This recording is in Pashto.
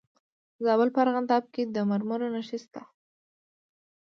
د زابل په ارغنداب کې د مرمرو نښې شته.